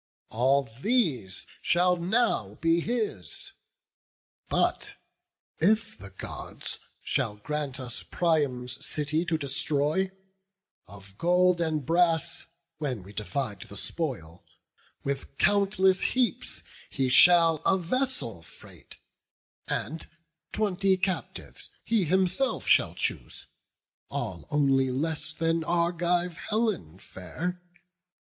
All these shall now be his: but if the Gods Shall grant us Priam's city to destroy, Of gold and brass, when we divide the spoil, With countless heaps he shall a vessel freight, And twenty captives he himself shall choose, All only less than Argive Helen fair.